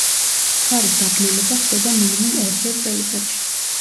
მთვარის დაბნელება ხდება მინიმუმ ორჯერ წელიწადში.